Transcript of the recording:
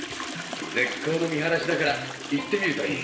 絶好の見晴らしだから行ってみるといい。